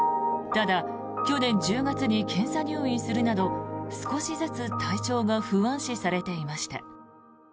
ただ、去年１０月に検査入院するなど少しずつ体調が不安視されていました。